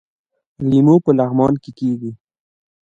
لیمو په لغمان کې کیږي